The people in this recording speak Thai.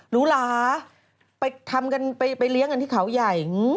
หรูหลาไปทำกันไปเลี้ยงกันที่เขาใหญ่